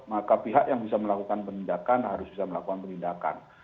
maka pihak yang bisa melakukan penindakan harus bisa melakukan penindakan